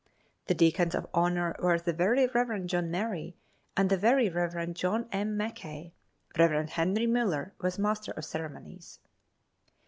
The deacons of honor were the Very Rev. John Murray and the Very Rev. John M. Mackay. Rev. Henry Moeller was master of ceremonies.